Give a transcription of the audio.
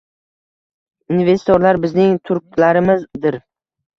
Investorlar bizning "turklarimiz" dir